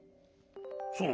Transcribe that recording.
そう。